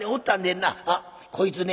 あっこいつね